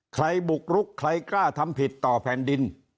ใครบุกรุกใครกล้าทำผิดต่อแผ่นดิน